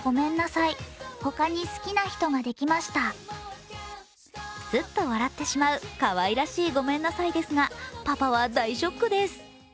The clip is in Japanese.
クスッと笑ってしまうかわいらしいごめんなさいですがパパは大ショックです。